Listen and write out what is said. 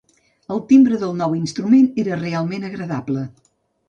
El timbre del nou instrument era realment agradable.